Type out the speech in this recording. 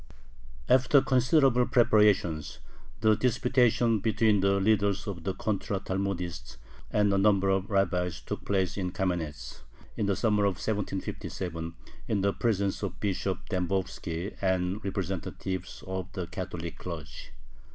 After considerable preparations, the disputation between the leaders of the Contra Talmudists and a number of rabbis took place in Kamenetz, in the summer of 1757, in the presence of Bishop Dembovski and representatives of the Catholic clergy.